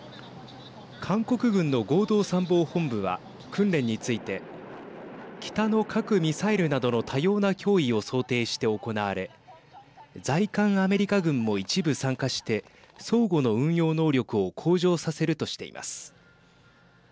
韓国軍の合同参謀本部は訓練について北の核・ミサイルなどの多様な脅威を想定して行われ在韓アメリカ軍も一部参加して相互の運用能力を向上させるとしています。